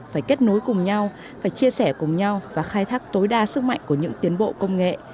phải kết nối cùng nhau phải chia sẻ cùng nhau và khai thác tối đa sức mạnh của những tiến bộ công nghệ